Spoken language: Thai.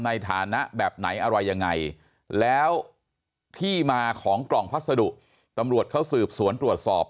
ในฐานะแบบไหนอะไรยังไงแล้วที่มาของกล่องพัสดุตำรวจเขาสืบสวนตรวจสอบ